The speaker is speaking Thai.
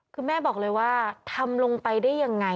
คือแม่บอกเลยว่าทำลงไปได้ยังไง